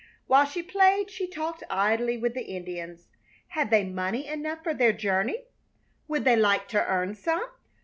While she played she talked idly with the Indians. Had they money enough for their journey? Would they like to earn some?